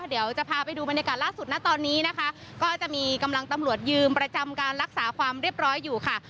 เดี๋ยวจะพาไปดูบรรยากาศล่าสุดนะตอนนี้นะคะก็จะมีกำลังตำรวจยืมประจำการรักษาความเรียบร้อยอยู่ค่ะ